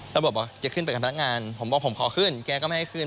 บอกจะขึ้นไปกับพนักงานผมบอกผมขอขึ้นแกก็ไม่ให้ขึ้น